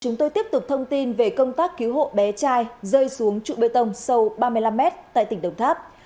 chúng tôi tiếp tục thông tin về công tác cứu hộ bé trai rơi xuống trụ bê tông sâu ba mươi năm m tại tỉnh đồng tháp